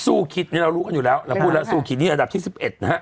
คิดนี่เรารู้กันอยู่แล้วเราพูดแล้วสู้คิดนี่อันดับที่๑๑นะฮะ